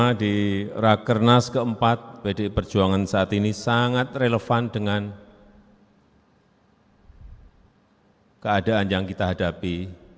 pdi rakernas ke empat pdi perjuangan saat ini sangat relevan dengan keadaan yang kita hadapi